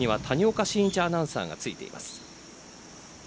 この組には谷岡慎一アナウンサーがついています。